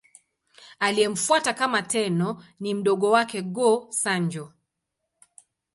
Aliyemfuata kama Tenno ni mdogo wake, Go-Sanjo.